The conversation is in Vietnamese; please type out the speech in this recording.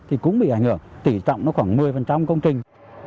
thì cũng bị ảnh hưởng tỷ trọng nó khoảng một mươi công trình